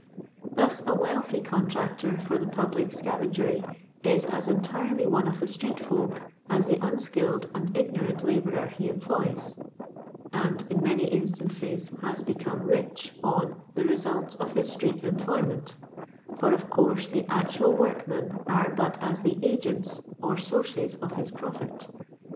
Thus a wealthy contractor for the public scavengery, is as entirely one of the street^folk as the unskilled and ig norant labourer he employs. The master lives. and, in numy instances, has become rich, on the results of hu street employment; for, of course, the actual workmen are but as the agents or sources of his profit.